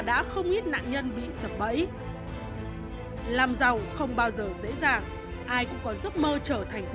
đã không ít nạn nhân bị sập bẫy làm giàu không bao giờ dễ dàng ai cũng có giấc mơ trở thành